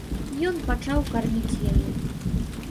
Ён пачаў карміць яе.